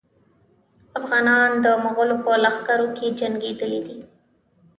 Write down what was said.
افغانان د مغولو په لښکرو کې جنګېدلي دي.